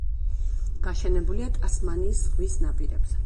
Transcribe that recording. გაშენებულია ტასმანიის ზღვის ნაპირებზე.